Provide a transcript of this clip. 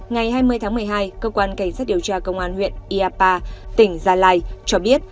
ngày hai mươi tháng một mươi hai cơ quan cảnh sát điều tra công an huyện iapa tỉnh gia lai cho biết